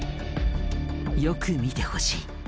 よく見てほしい。